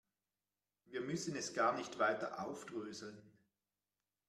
Wir müssen es gar nicht weiter aufdröseln.